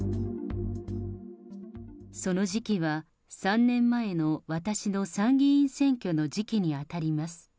その時期は、３年前の私の参議院選挙の時期に当たります。